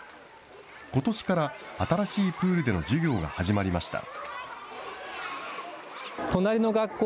ことしから新しいプールでの授業が始まりました。